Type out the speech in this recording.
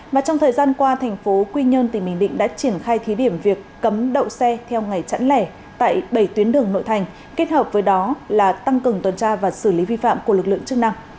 và trong thời gian qua thành phố quy nhơn tỉnh bình định đã triển khai thí điểm việc cấm đậu xe theo ngày chẵn lẻ tại bảy tuyến đường nội thành kết hợp với đó là tăng cường tuần tra và xử lý vi phạm của lực lượng chức năng